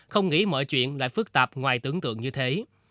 không nghĩ mọi chuyện lại phức tạp ngoài tưởng tượng như thế